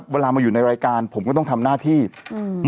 เวลามาอยู่ในรายการผมก็ต้องทำหน้าที่อืม